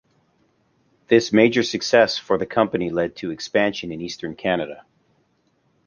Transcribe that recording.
This major success for the company led to expansion in Eastern Canada.